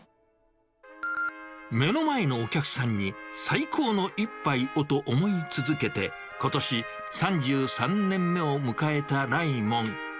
目の前のお客さんに、最高の一杯をと思い続けてことし３３年目を迎えた雷文。